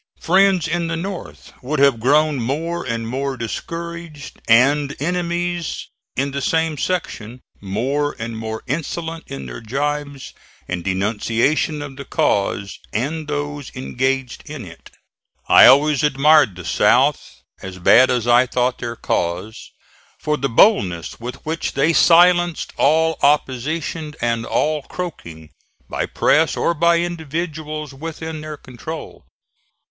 Friends in the North would have grown more and more discouraged, and enemies in the same section more and more insolent in their gibes and denunciation of the cause and those engaged in it. I always admired the South, as bad as I thought their cause, for the boldness with which they silenced all opposition and all croaking, by press or by individuals, within their control.